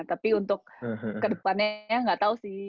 tapi untuk kedepannya nggak tahu sih